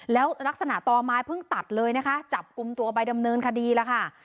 แล้วลักษณะต่อไม้เพิ่งตัดเลยนะคะจับกลุ่มตัวไปดำเนินคดีแล้วค่ะ